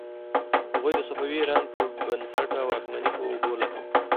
هغوی د صفوي ایران بې بنسټه واکمني په اوبو لاهو کړه.